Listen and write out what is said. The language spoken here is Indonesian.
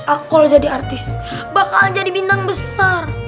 aku kalau jadi artis bakal jadi bintang besar